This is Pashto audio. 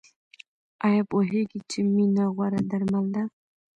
ایا پوهیږئ چې مینه غوره درمل ده؟